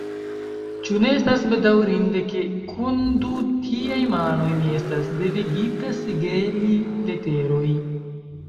Ĉu ne estas bedaŭrinde, ke, kun du tiaj manoj, mi estas devigita sigeli leteroj!